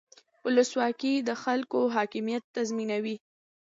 ولسواکي د خلکو حاکمیت تضمینوي